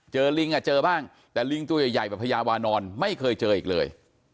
ลิงอ่ะเจอบ้างแต่ลิงตัวใหญ่แบบพญาวานอนไม่เคยเจออีกเลย